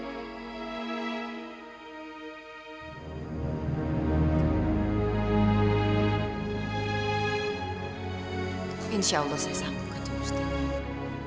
akan kumaul strains mungkin disitu untuk usut dari masjid keraton